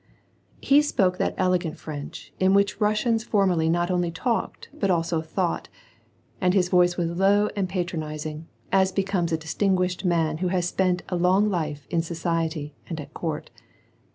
He spoke that elegant French in which Russians formerly not only talked but also thought, And his voice was low and patronizing, as becomes a distinguished man who has spent a long life in society and at Court.